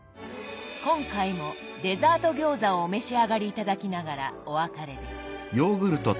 今回もデザート餃子をお召し上がり頂きながらお別れです。